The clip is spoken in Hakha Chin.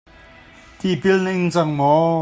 Tipil na ing cang maw?